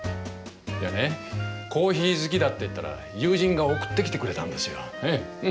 いやねコーヒー好きだって言ったら友人が送ってきてくれたんですよ。